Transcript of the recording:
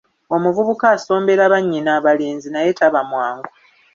Omuvubuka asombera bannyina abalenzi naye taba mwangu.